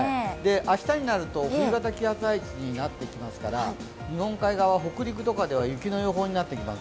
明日になると冬型気圧配置になってきますから日本海側、北陸とかでは雪の予想になってきます。